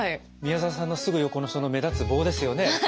宮澤さんのすぐ横のその目立つ棒ですよね。